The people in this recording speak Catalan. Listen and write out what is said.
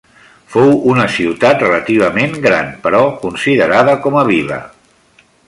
Fou una ciutat relativament gran, però considerada com a vila.